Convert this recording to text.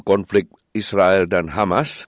konflik israel dan hamas